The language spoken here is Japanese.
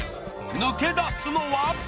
抜け出すのは？